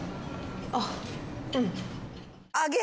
「あっうん」